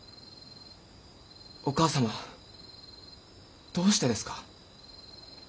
お母様どうしてですか？